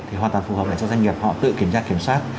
thì hoàn toàn phù hợp để cho doanh nghiệp họ tự kiểm tra kiểm soát